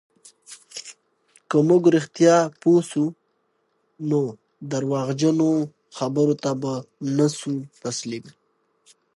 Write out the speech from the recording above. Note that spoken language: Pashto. که موږ رښتیا پوه سو، نو درواغجنو خبرو ته به نه سو تسلیم.